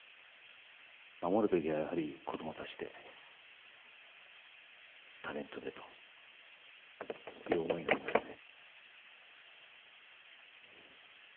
守るべきはやはり子どもたちで、タレントでという思いがありますね。